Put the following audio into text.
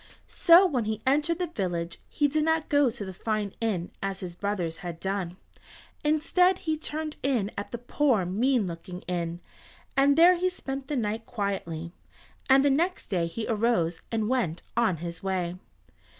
So when he entered the village he did not go to the fine inn as his brothers had done. Instead he turned in at the poor, mean looking inn, and there he spent the night quietly, and the next day he arose, and went on his way.